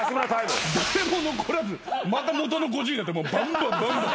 誰も残らずまた元の５０人になってもうバンバンバンバン。